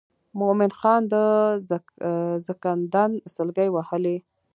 مومن خان د زکندن سګلې وهي.